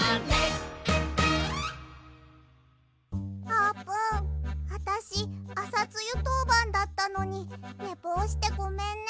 あーぷんあたしアサツユとうばんだったのにねぼうしてごめんね。